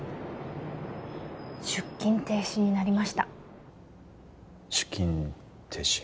出勤停止になりました出勤停止？